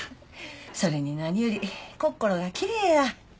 それに何より心がきれいや。